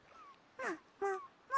ももも。